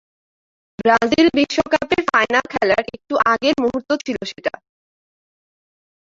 Brazil বিশ্বকাপের final খেলার একটু আগের মুহূর্ত ছিল সেটা।